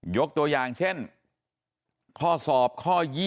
ยกตัวอย่างเช่นข้อสอบข้อ๒